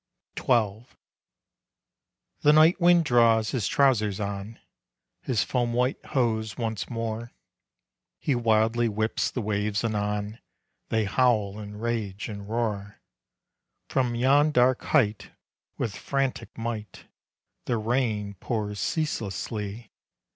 XII. The night wind draws his trousers on, His foam white hose once more; He wildly whips the waves anon, They howl, and rage, and roar. From yon dark height, with frantic might, The rain pours ceaselessly.